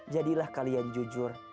jadilah kalian jujur